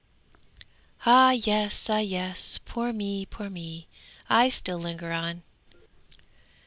Ah yes! ah yes! Poor me! poor me! I still linger on.